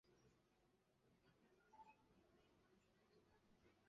云南金茅为禾本科金茅属下的一个种。